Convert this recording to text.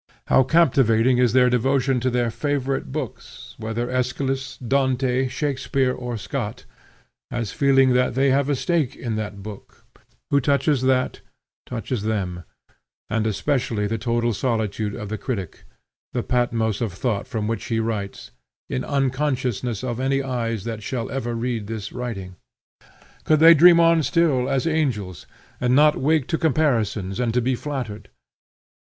How captivating is their devotion to their favorite books, whether Aeschylus, Dante, Shakspeare, or Scott, as feeling that they have a stake in that book; who touches that, touches them; and especially the total solitude of the critic, the Patmos of thought from which he writes, in unconsciousness of any eyes that shall ever read this writing. Could they dream on still, as angels, and not wake to comparisons, and to be flattered!